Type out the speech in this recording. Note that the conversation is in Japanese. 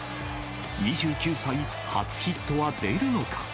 ２９歳初ヒットは出るのか。